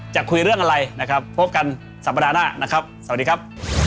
จะคุยเรื่องอะไรนะครับพบกันสัปดาห์หน้านะครับสวัสดีครับ